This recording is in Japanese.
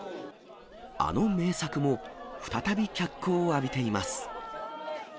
あの名作も、再び脚光を浴びています。